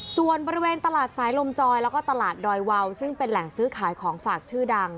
ส่วนบริเวณตลาดสายลมจอยแล้วก็ตลาดดอยวาวซึ่งเป็นแหล่งซื้อขายของฝากชื่อดัง